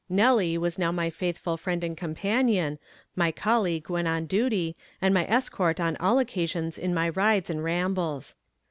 Nellie was now my faithful friend and companion, my colleague when on duty, and my escort on all occasions in my rides and rambles.